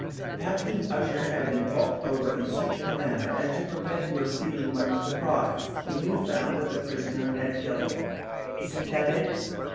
"Captain Ussher had been talked over in such a manner as to prevent your feeling much surprise, when you found that the prisoner had killed him, isn't that it?"